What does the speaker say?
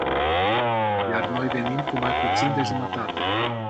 Iar noi venim cu mai puțin de jumătate.